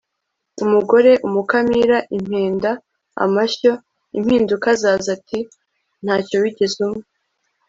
umugore umukamira impenda (amashyo) impinduka zaza ati ntacyo wigeze umpa